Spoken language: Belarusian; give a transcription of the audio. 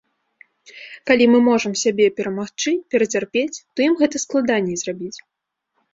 Калі мы можам сябе перамагчы, перацярпець, то ім гэта складаней зрабіць.